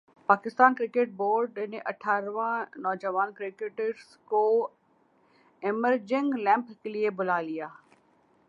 Pakistan cricket board نے اٹھارہ نوجوان کرکٹرز کو ایمرجنگ کیمپ کیلئے بلا لیا